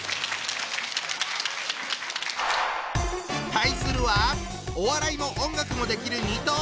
対するはお笑いも音楽もできる二刀流芸人。